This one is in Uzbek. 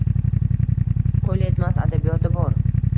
Qo’l yetmas adabiyoti bor